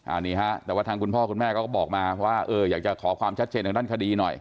อันนี้ฮะแต่ว่าทางคุณพ่อคุณแม่เขาก็บอกมาว่าเอออยากจะขอความชัดเจนทางด้านคดีหน่อย